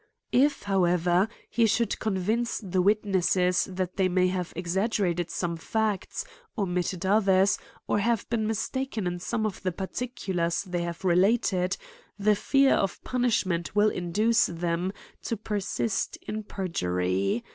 If, however, he should convince the witnesses, that they may have exaggerated some facts, omitted others, or have been mistaken in some of the particulars they have related, the fear of punishment will induce them to persist in perjury.